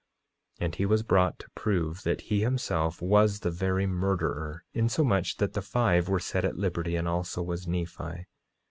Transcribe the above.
9:38 And he was brought to prove that he himself was the very murderer, insomuch that the five were set at liberty, and also was Nephi.